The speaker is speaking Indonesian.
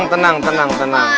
tenang tenang tenang